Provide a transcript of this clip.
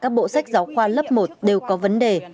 các bộ sách giáo khoa lớp một đều có vấn đề